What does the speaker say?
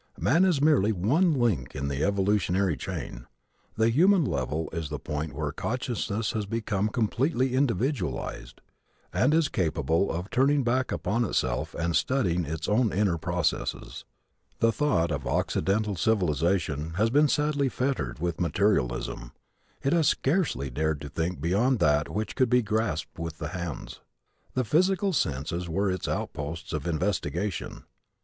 Man is merely one link in the evolutionary chain. The human level is the point where consciousness has become completely individualized and is capable of turning back upon itself and studying its own inner processes. The thought of Occidental civilization has been sadly fettered with materialism. It has scarcely dared to think beyond that which could be grasped with the hands. The physical senses were its outposts of investigation.